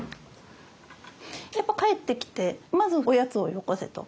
やっぱ帰ってきてまずおやつをよこせと。